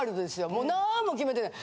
もうなんも決めてない。